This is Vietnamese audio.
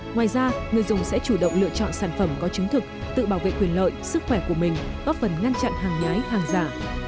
ngoài ra người dùng sẽ chủ động lựa chọn sản phẩm có chứng thực tự bảo vệ quyền lợi sức khỏe của mình góp phần ngăn chặn hàng nhái hàng giả